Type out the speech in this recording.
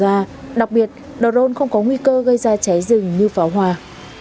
và đòi hỏi nhiều công sức để thực hiện